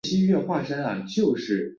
为铁木真的母亲诃额仑养子。